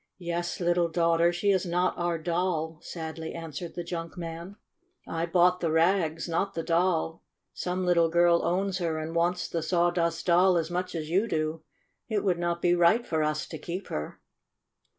"Yes, little daughter, she is not our Doll," sadly answered the junk man. "I 100 STORY OF A SAWDUST DOLL bought the rags, not the Doll. Some little girl owns her, and wants the Sawdust Doll as much as you do. It would not be right for us to keep her."